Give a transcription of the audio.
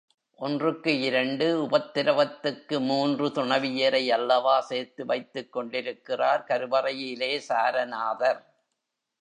ஒன்றுக்கு இரண்டு உபத்திரவத்துக்கு மூன்று துணைவியரை அல்லவா சேர்த்து வைத்துக் கொண்டிருக்கிறார் கருவறையிலே சாரநாதர்.